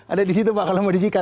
ada di situ pak kalau mau di sikat